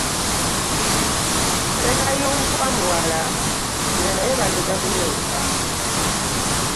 Ssegayonkwa muwala nga naye baligamuyonka.